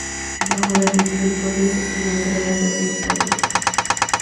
Bajo las misericordias se solían crear adornos tallas.